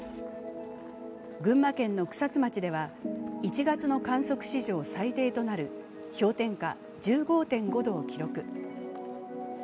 群馬県の草津町では１月の観測史上最低となる氷点下１５．５度を記録。